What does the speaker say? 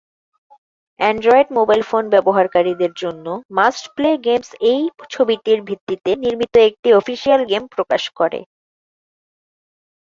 Android mobile phone ব্যবহারকারীদের জন্য must play games এই ছবিটির ভিত্তিতে নির্মিত একটি অফিসিয়াল গেম প্রকাশ করে।